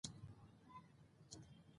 تشبیه څلور رکنه لري.